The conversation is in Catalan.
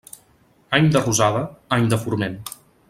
Any de rosada, any de forment.